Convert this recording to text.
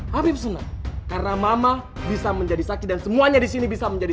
habib sunnah karena mama bisa menjadi saksi dan semuanya di sini bisa menjadi